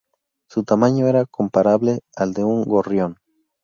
Su tamaño era comparable al de un gorrión.